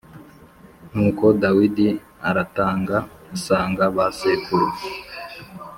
Nuko Dawidi aratanga asanga ba sekuruza